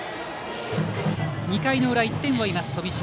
２回の裏、１点を追う富島。